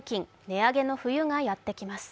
値上げの冬がやってきます。